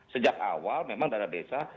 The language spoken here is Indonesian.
sejak awal memang dana desa